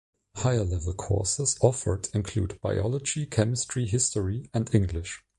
Higher level courses offered include Biology, Chemistry, History, and English.